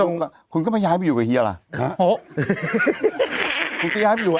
โหส่งคุณก็ไม่ย้ายไปอยู่กับเหี้ยละหนีสัยไปอยู่